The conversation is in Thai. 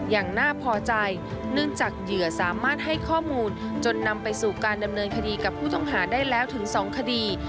อย่างน่าพอใจเนื่องจากเหยื่อสามารถให้ข้อมูลจนนำไปสู่การดำเนินคดีกับผู้ต้องหาได้แล้วถึง๒คดี